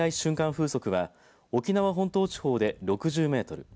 風速は沖縄本島地方で６０メートル